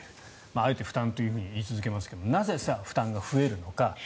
あえて負担といい続けますがなぜ、負担が増えるのか。